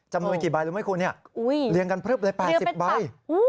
จำนวนกี่ใบรู้ไหมคุณเรียงกันพลึบเลย๘๐ใบ